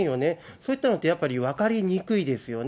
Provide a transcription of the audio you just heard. そういったのって、やっぱり分かりにくいですよね。